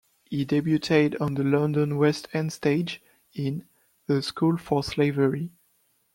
He debuted on the London West End stage in "The School for Slavery".